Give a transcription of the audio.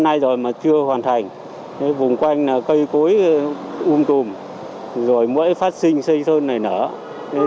bệnh viện này chưa hoàn thành vùng quanh cây cối ung tùm rồi mới phát sinh xây dựng này nữa